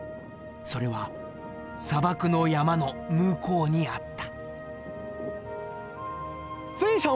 それは砂漠の山の向こうにあった！